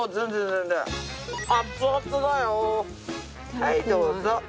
はいどうぞ。